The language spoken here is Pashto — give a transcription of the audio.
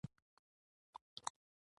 اوه زما د ځيګر ټوټې.